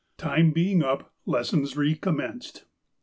— Time being up, lessons recommenced.